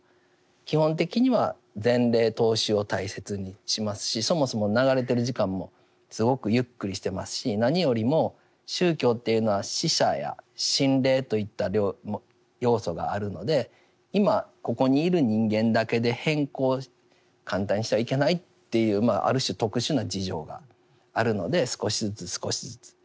基本的には前例踏襲を大切にしますしそもそも流れてる時間もすごくゆっくりしていますし何よりも宗教というのは死者や心霊といった要素があるので今ここにいる人間だけで変更を簡単にしてはいけないというある種特殊な事情があるので少しずつ少しずつ。